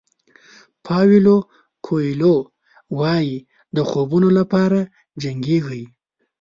پاویلو کویلو وایي د خوبونو لپاره جنګېږئ.